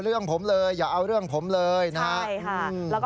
เหรอแล้วเสร็จแล้ว